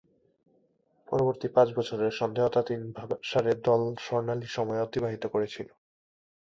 পরবর্তী পাঁচ বছরে সন্দেহাতীতভাবে সারে দল স্বর্ণালী সময়ে অতিবাহিত করেছিল।